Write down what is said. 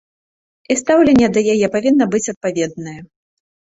І стаўленне да яе павінна быць адпаведнае.